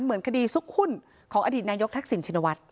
เหมือนคดีซุกหุ้นของอดีตนายกทักษิณชินวัฒน